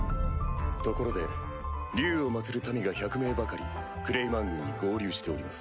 ところで竜を祀る民が１００名ばかりクレイマン軍に合流しております。